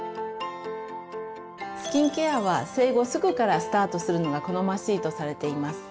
スキンケアは生後すぐからスタートするのが好ましいとされています。